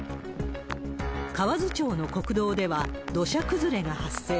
河津町の国道では、土砂崩れが発生。